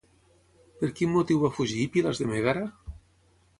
Per quin motiu va fugir Pilas de Mègara?